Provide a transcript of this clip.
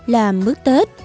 làm mức tết